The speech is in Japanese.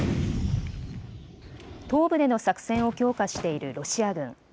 東部での作戦を強化しているロシア軍。